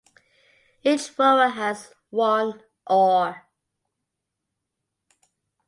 Each rower has one oar.